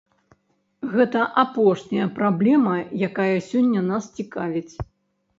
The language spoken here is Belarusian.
Гэта апошняя праблема, якая сёння нас цікавіць.